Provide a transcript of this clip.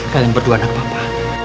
kalian berdua anak papa